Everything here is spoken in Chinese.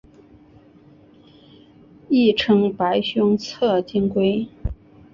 亦称白胸侧颈龟。